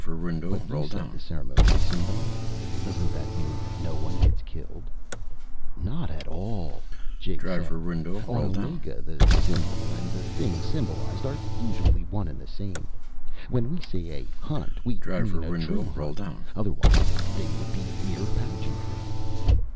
"But you said the ceremony is symbolic. Doesn't that mean no one gets killed?" "Not at all!" Jay said. "On Omega, the symbol and the thing symbolized are usually one and the same. When we say a Hunt, we mean a true hunt. Otherwise the thing would be mere pageantry."